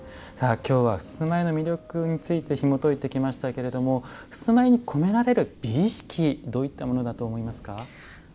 さあきょうは襖絵の魅力についてひもといてきましたけれども襖絵に込められる美意識どういったものだと思いますか？